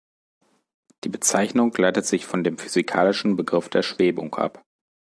Die Bezeichnung leitet sich von dem physikalischen Begriff der Schwebung ab.